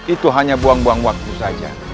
itu hanya buang buang waktu saja